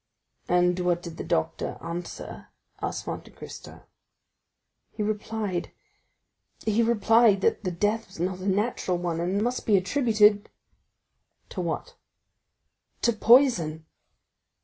"And what did the doctor answer?" asked Monte Cristo. "He replied—he replied, that the death was not a natural one, and must be attributed"— "To what?" "To poison."